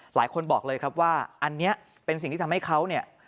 หลายคนบอกเลยครับว่าอันนี้เป็นสิ่งที่ทำให้เขาเนี่ย